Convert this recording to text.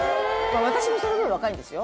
私もその分若いんですよ